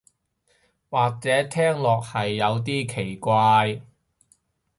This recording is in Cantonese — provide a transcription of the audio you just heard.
或者聽落係有啲奇怪